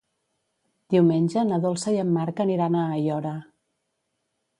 Diumenge na Dolça i en Marc aniran a Aiora.